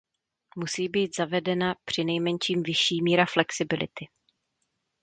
Musí být zavedena přinejmenším vyšší míra flexibility.